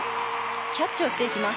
キャッチをしていきます。